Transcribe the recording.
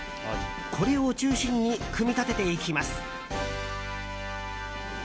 これを中心に組み立てていきます。